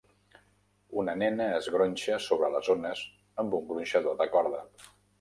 Una nena es gronxa sobre les ones amb un gronxador de corda.